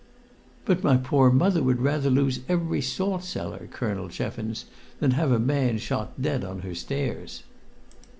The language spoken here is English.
"But my poor mother would rather lose every salt cellar, Colonel Cheffins, than have a man shot dead on her stairs."